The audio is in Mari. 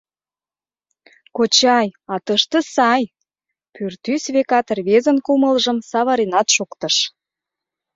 — Кочай, а тыште сай! — пӱртӱс, векат, рвезын кумылжым савыренат шуктыш.